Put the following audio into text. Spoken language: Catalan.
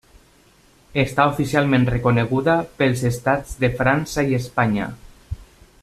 Està oficialment reconeguda pels Estats de França i Espanya.